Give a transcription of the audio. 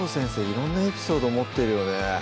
色んなエピソード持ってるよね